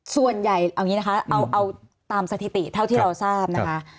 ส่วนใหญ่เอาอย่างนี้นะคะเอาตามสถิติเท่าที่เราทราบนะคะ